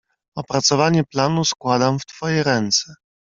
"Opracowanie planu składam w twoje ręce."